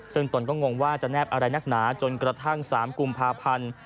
ซึ่งตนก็งงว่าจะแนบอะไรนักหนาจนกระทั่ง๓กุมภาพันธ์